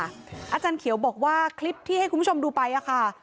อาจารย์เขียวบอกว่าคลิปที่ให้คุณผู้ชมดูไปค่ะ